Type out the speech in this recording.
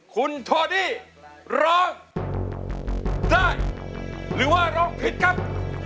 คุณโทดี้ร้องได้หรือว่าร้องผิดครับ